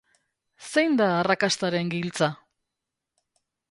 Zein da arrakastaren giltza?